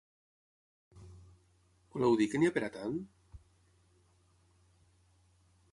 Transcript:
Voleu dir que n’hi ha per a tant?